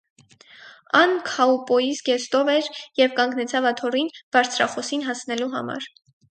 Ան քաուպոյի զգեստով էր եւ կանգնեցաւ աթոռին բարձրախօսին հասնելու համար։